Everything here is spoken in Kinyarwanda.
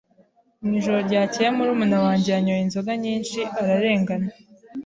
Mu ijoro ryakeye, murumuna wanjye yanyoye inzoga nyinshi ararengana.